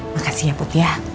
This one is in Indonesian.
makasih ya put ya